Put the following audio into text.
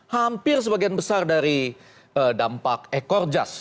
hampir sebagian besar dari dampak ekor jas